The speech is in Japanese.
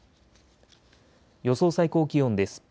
予想最高気温です。